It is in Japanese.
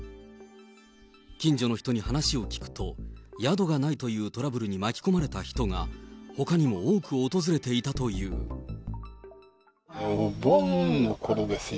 近所の人に話を聞くと、宿がないというトラブルに巻き込まれた人は、ほかにも多く訪れてお盆のころですよ。